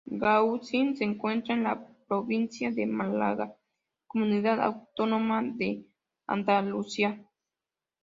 Gaucín se encuentra en la provincia de Málaga, comunidad autónoma de Andalucía.